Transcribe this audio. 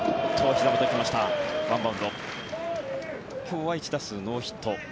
今日は１打数ノーヒット。